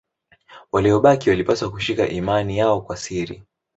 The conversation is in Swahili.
Waliobaki walipaswa kushika imani yao kwa siri.